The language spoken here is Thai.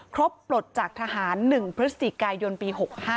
ปลดจากทหาร๑พฤศจิกายนปี๖๕